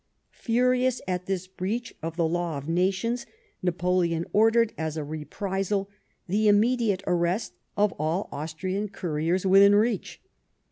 Furious at this breach of the law of nations, Napoleon ordered, as a reprisal, the immediate arrest of all Austrian couriers within reach.